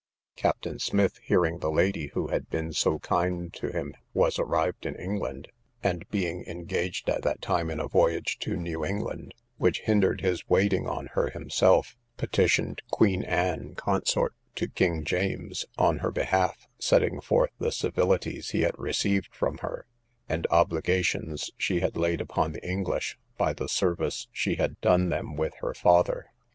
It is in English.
Captain Smith, hearing the lady who had been so kind to him was arrived in England, and being engaged at that time in a voyage to New England, which hindered his waiting on her himself, petitioned queen Anne, consort to king James, on her behalf, setting forth the civilities he had received from her, and obligations she had laid upon the English, by the service she had done them with her father.